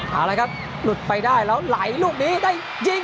เอาละครับหลุดไปได้แล้วไหลลูกนี้ได้ยิง